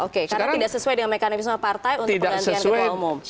karena tidak sesuai dengan mekanisme partai untuk pengantinan ketua umum